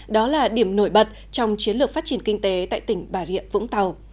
đó là điểm nổi bật trong chiến lược phát triển kinh tế tại tỉnh bà rịa vũng tàu